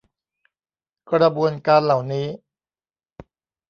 กระบวนการเหล่านี้